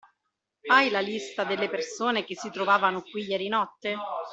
Hai la lista delle persone che si trovavano qui ieri notte?